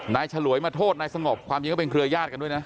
ฉลวยมาโทษนายสงบความจริงก็เป็นเครือญาติกันด้วยนะ